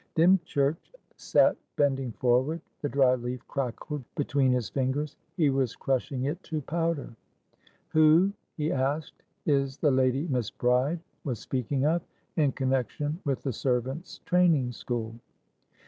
Dymchurch sat bending forward. The dry leaf crackled between his fingers; he was crushing it to powder. "Who," he asked, "is the lady Miss Bride was speaking of, in connection with the servant's training school?"